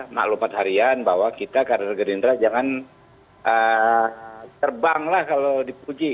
maklumat harian bahwa kita kader gerindra jangan terbang lah kalau dipuji